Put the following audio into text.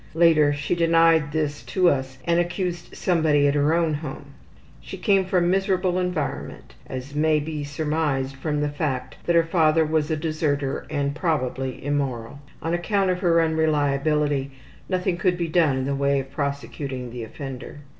Later she denied this to us and accused somebody at her own home. She came from miserable environment, as may be surmised from the fact that her father was a deserter and probably immoral. On account of her unreliability nothing could be done in the way of prosecuting the offender.